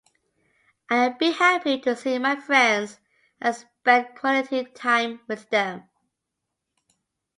I am be happy to see my friends and spend quality time with them.